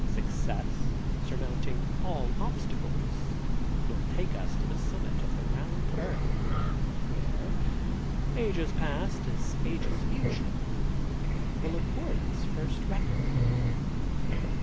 Success, surmounting all obstacles will take us to the summit of the round earth, where, ages past as ages future will accord us first record."